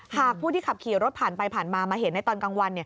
หากผู้ที่ขับขี่รถผ่านไปผ่านมามาเห็นในตอนกลางวัน